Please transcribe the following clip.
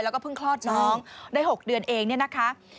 แล้วก็เพิ่งคลอดน้องได้๖เดือนเองเนี่ยนะคะ